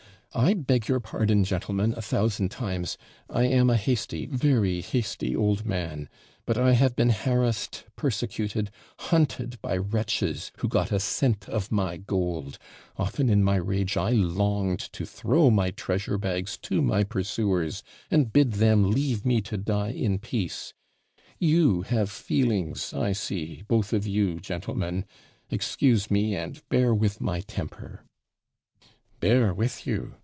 I beg your pardon, gentlemen, a thousand times I am a hasty, very hasty old man; but I have been harassed, persecuted, hunted by wretches, who got a scent of my gold; often in my rage I longed to throw my treasure bags to my pursuers, and bid them leave me to die in peace. You have feelings, I see, both of you, gentlemen; excuse me, and bear with my temper.' 'Bear with you!